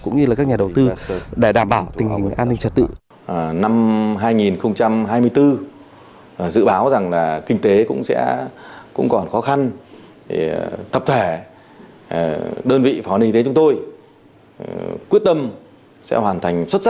cũng như các nhà đầu tư để đảm bảo tình hình an ninh trật tự